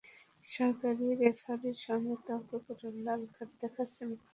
সহকারী রেফারির সঙ্গে তর্ক করে লাল কার্ড দেখেছেন কোচ গঞ্জালো মোরেনো।